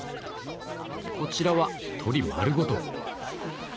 こちらは鶏丸ごと！